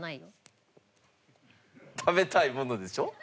食べたいものでしょ？